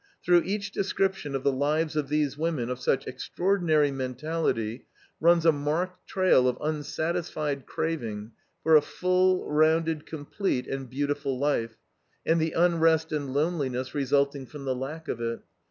Through each description of the lives of these women of such extraordinary mentality runs a marked trail of unsatisfied craving for a full, rounded, complete, and beautiful life, and the unrest and loneliness resulting from the lack of it.